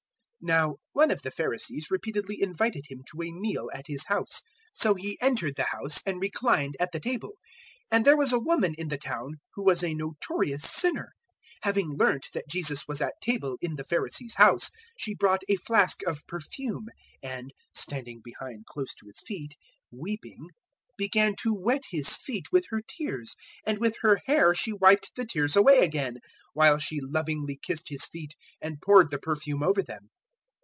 007:036 Now one of the Pharisees repeatedly invited Him to a meal at his house; so He entered the house and reclined at the table. 007:037 And there was a woman in the town who was a notorious sinner. Having learnt that Jesus was at table in the Pharisee's house she brought a flask of perfume, 007:038 and, standing behind close to His feet, weeping, began to wet His feet with her tears; and with her hair she wiped the tears away again, while she lovingly kissed His feet and poured the perfume over them.